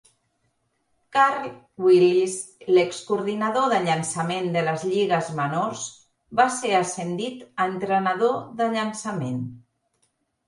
Carl Willis, l'ex-coordinador de llançament de les Lligues menors, va ser ascendit a entrenador de llançament.